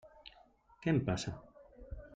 Què em passa?